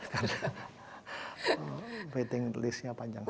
karena waiting list nya panjang